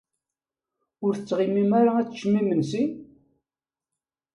Ur tettɣimim ara ad teččem imensi?